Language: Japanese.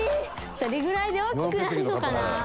それぐらいで大きくなるのかな？